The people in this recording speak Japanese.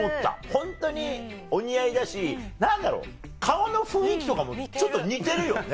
ホントにお似合いだし何だろう顔の雰囲気とかもちょっと似てるよね。